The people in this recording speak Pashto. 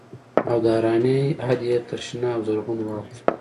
او د حيرانۍ حد يې تر شنه او زرغونه واوښت.